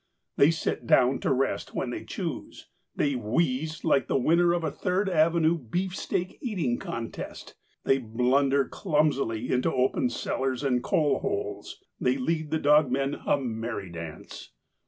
They sit down to rest when they choose; they wheeze like the winner of a Third Avenue beefsteak eating contest; they blunder clumsily into open cellars and coal holes; they lead the dogmen a merry dance.